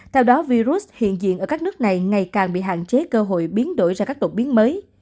theo đó virus hiện diện ở các nước này ngày càng bị hạn chế cơ hội biến đổi ra các đột biến mới